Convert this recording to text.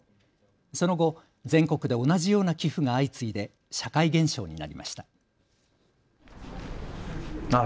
その後、全国で同じような寄付が相次いで社会現象になりました。